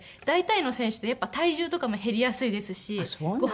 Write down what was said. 大体の選手ってやっぱり体重とかも減りやすいですし。